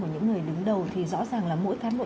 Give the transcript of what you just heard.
của những người đứng đầu thì rõ ràng là mỗi cán bộ